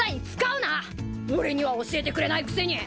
俺には教えてくれないくせに。